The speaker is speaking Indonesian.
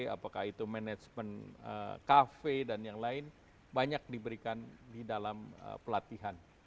apakah itu manajemen kafe dan yang lain banyak diberikan di dalam pelatihan